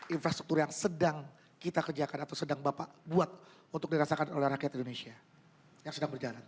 infrastruktur yang sedang kita kerjakan atau sedang bapak buat untuk dirasakan oleh rakyat indonesia yang sedang berjalan